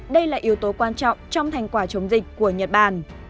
đây là yếu tố quan trọng trong thành quả chống dịch của nhật bản